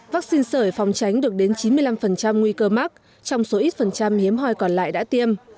vắc xin sởi phòng tránh được đến chín mươi năm nguy cơ mắc trong số ít phần trăm hiếm hoi còn lại đã tiêm